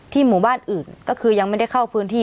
หมู่บ้านอื่นก็คือยังไม่ได้เข้าพื้นที่